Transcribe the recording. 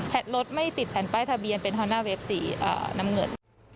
แผดรถไม่ติดแผ่นป้ายทะเบียนเป็นฮอร์น่าเวฟ๔น้ำเหนือ